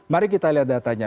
mari kita lihat datanya